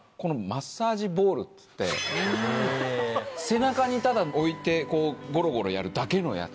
背中にただ置いてゴロゴロやるだけのやつ。